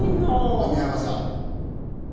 網浜さん。